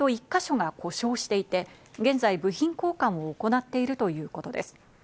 １か所が故障していて、現在、部品交換を行っているということです。